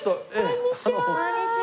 こんにちは。